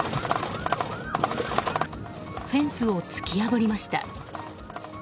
フェンスを突き破りました。